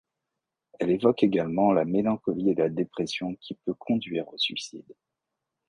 Elle évoque également la mélancolie et la dépression qui peut conduire au suicide.